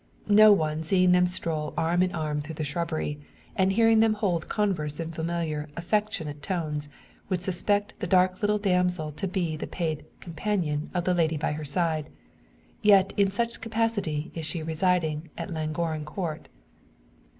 No one seeing them stroll arm in arm through the shrubbery, and hearing them hold converse in familiar, affectionate tones, would suspect the little dark damsel to be the paid "companion" of the lady by her side. Yet in such capacity is she residing at Llangorren Court.